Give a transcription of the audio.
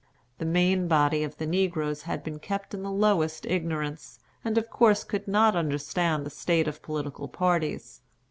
The main body of the negroes had been kept in the lowest ignorance, and of course could not understand the state of political parties.